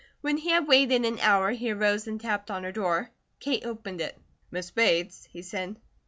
When he had waited an hour he arose and tapped on her door. Kate opened it. "Miss Bates," he said.